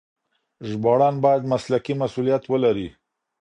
ژباړن بايد مسلکي مسؤليت ولري.